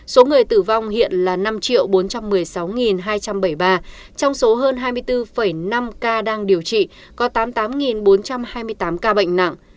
số người tử vong hiện là năm bốn trăm một mươi sáu hai trăm bảy mươi ba trong số hơn hai mươi bốn năm ca đang điều trị có tám mươi tám bốn trăm hai mươi tám ca bệnh nặng